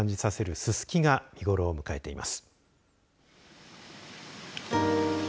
ススキが見頃を迎えています。